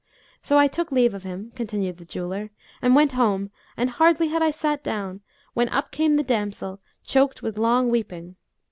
"So I took leave of him" (continued the jeweller) "and went home, and hardly had I sat down, when up came the damsel, choked with long weeping.